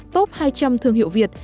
top hai trăm linh thương hiệu việt